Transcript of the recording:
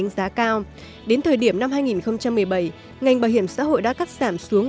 giá cao đến thời điểm năm hai nghìn một mươi bảy ngành bảo hiểm xã hội đã cắt giảm xuống